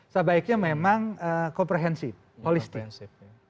sebaiknya memang komprehensif holistik